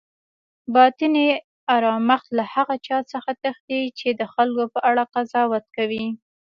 باطني آرامښت له هغه چا څخه تښتي چی د خلکو په اړه قضاوت کوي